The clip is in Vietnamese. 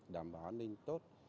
đảm bảo an ninh tốt